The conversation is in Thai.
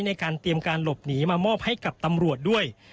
ในการเตรียมการหลบหนีมามอบให้กับตำรวจด้วย